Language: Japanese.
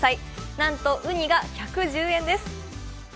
なんとうにが１１０円です。